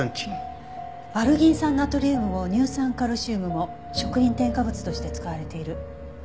アルギン酸ナトリウムも乳酸カルシウムも食品添加物として使われている。